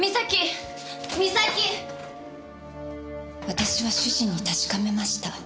私は主人に確かめました。